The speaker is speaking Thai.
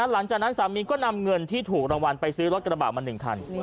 สามีก็นำเงินที่ถูกรางวัลไปซื้อรถกระบาดมา๑คัน